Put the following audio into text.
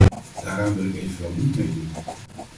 Daaraan wil ik evenwel niet meedoen.